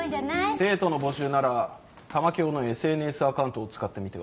生徒の募集なら玉響のＳＮＳアカウントを使ってみては？